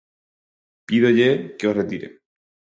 Pídolle que o retire.